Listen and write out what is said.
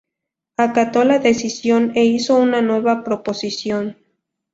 acató la decisión e hizo una nueva proposición